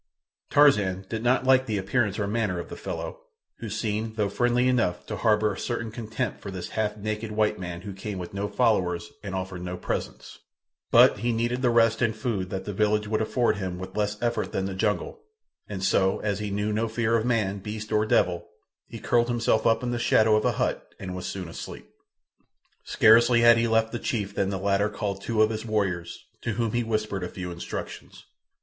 Tarzan did not like the appearance or manner of the fellow, who seemed, though friendly enough, to harbour a certain contempt for this half naked white man who came with no followers and offered no presents; but he needed the rest and food that the village would afford him with less effort than the jungle, and so, as he knew no fear of man, beast, or devil, he curled himself up in the shadow of a hut and was soon asleep. Scarcely had he left the chief than the latter called two of his warriors, to whom he whispered a few instructions.